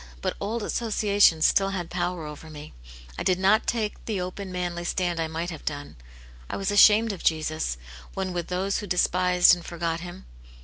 " But old associations still had power over mc ; I did not take the open, manly stand I might have done. / was ashamed of Jesus when with those who despised and forgot him.